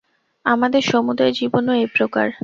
আমাদের সমুদয় জীবনও এই প্রকার।